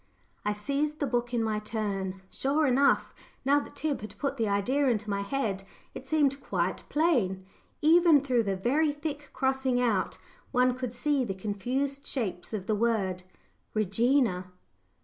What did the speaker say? I seized the book in my turn. Sure enough, now that Tib had put the idea into my head, it seemed quite plain even through the very thick crossing out one could see the confused shapes of the word "Regina."